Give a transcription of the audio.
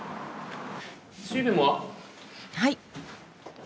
はい。